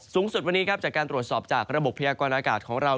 สูงสุดวันนี้ครับจากการตรวจสอบจากระบบพยากรณากาศของเรา